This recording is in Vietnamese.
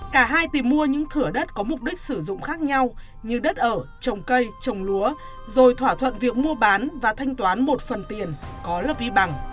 cả hai tìm mua những thửa đất có mục đích sử dụng khác nhau như đất ở trồng cây trồng lúa rồi thỏa thuận việc mua bán và thanh toán một phần tiền có là vi bằng